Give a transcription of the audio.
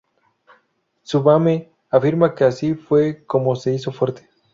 Tsubame afirma que así fue como se hizo fuerte.